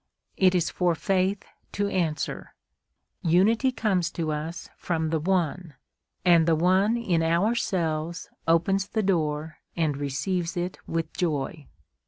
It is for faith to answer, "Unity comes to us from the One, and the One in ourselves opens the door and receives it with joy."